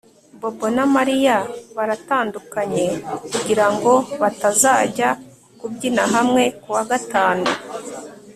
Bobo na Mariya baratandukanye kugirango batazajya kubyina hamwe kuwa gatanu